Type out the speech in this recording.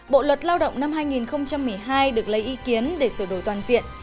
bộ luật lao động năm hai nghìn một mươi hai được lấy ý kiến để sửa đổi toàn diện